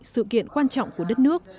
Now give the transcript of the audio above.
sự kiện quan trọng của đất nước